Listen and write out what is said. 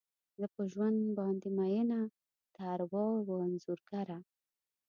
زه په ژوند باندې میینه، د ارواوو انځورګره